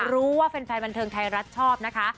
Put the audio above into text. รู้ว่าแฟนบันเทิงไทยรัฐชอบนะคะ